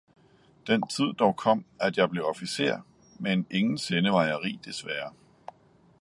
Den tid dog kom, at jeg blev officer, men ingensinde var jeg rig, desværre